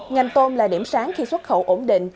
ngành tôm là điểm sáng khi xuất khẩu ổn định